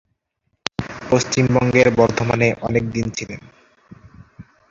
পশ্চিমবঙ্গের বর্ধমানে অনেকদিন ছিলেন।